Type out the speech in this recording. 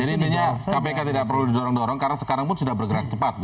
jadi intinya kpk tidak perlu didorong dorong karena sekarang pun sudah bergerak cepat